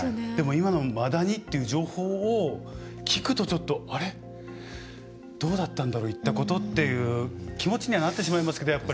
でも今のマダニという情報を聞くと、ちょっと、あれどうだったんだろう、行ったことっていう気持ちにはなってしまいますけど。